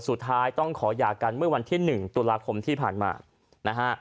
สุดท้ายต้องขอหย่ากันเมื่อวันที่๑ตุลาคมที่ผ่านมานะฮะ